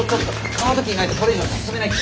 カードキーないとこれ以上進めないって。